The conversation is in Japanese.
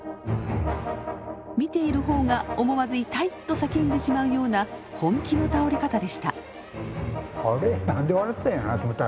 見ている方が思わず「痛い！」と叫んでしまうような本気の倒れ方でした。